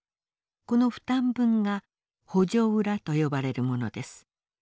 この負担分が補助裏と呼ばれるものです。